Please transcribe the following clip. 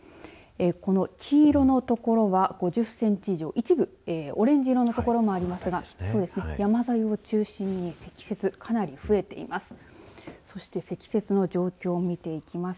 この黄色の所は５０センチ以上一部オレンジ色のところもありますが山沿いを中心に積雪かなり増えています。